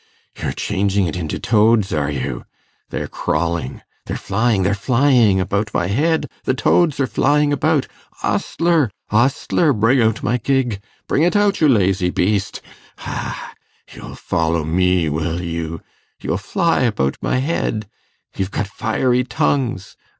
you're changing it into toads, are you? They're crawling ... they're flying ... they're flying about my head ... the toads are flying about. Ostler! ostler! bring out my gig ... bring it out, you lazy beast ... ha! you'll follow me, will you? ... you'll fly about my head ... you've got fiery tongues